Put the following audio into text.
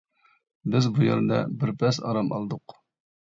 بىز بۇ يەردە بىر پەس ئارام ئالدۇق.